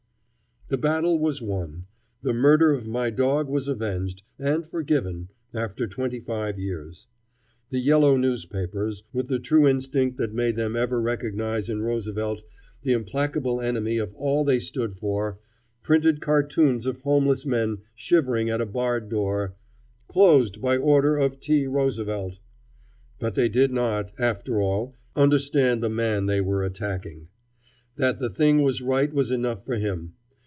The battle was won. The murder of my dog was avenged, and forgiven, after twenty five years. The yellow newspapers, with the true instinct that made them ever recognize in Roosevelt the implacable enemy of all they stood for, printed cartoons of homeless men shivering at a barred door "closed by order of T. Roosevelt"; but they did not, after all, understand the man they were attacking. That the thing was right was enough for him.